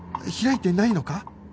開いてないのか？